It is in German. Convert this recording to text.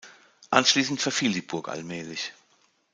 Anschließend verfiel die Burg allmählich.